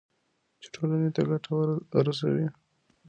چې ټولنې ته ګټه رسوي.